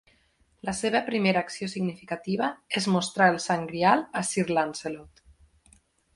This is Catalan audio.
La seva primera acció significativa és mostrar el Sant Grial a Sir Lancelot.